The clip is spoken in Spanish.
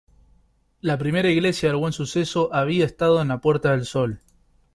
La primera iglesia del Buen Suceso había estado en la Puerta del Sol.